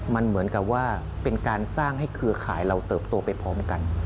มันเหมือนกับว่าเป็นการสร้างให้เครือข่ายเราเติบโตไปพร้อมกัน